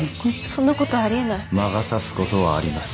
そんなことありえない魔が差すことはあります